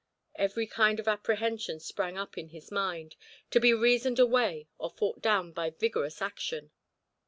Every kind of apprehension sprang up in his mind, to be reasoned away or fought down by vigorous action.